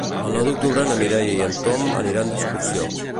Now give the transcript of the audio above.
El nou d'octubre na Mireia i en Tom aniran d'excursió.